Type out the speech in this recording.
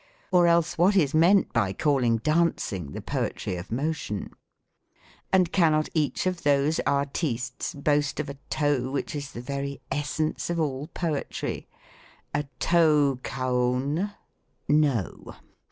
or else what is meant by calling dancing the poetry of Motion ? And cannot each of those artistes boast of a toe which is the very essence of all poetry — a TO' KAAO'N ? No.